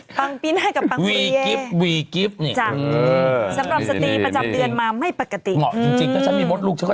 ปังปีนาธกับปังปุริเยสำหรับสตรีประจำเดือนมาไม่ปกติ